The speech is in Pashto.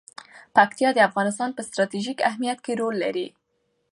پکتیا د افغانستان په ستراتیژیک اهمیت کې رول لري.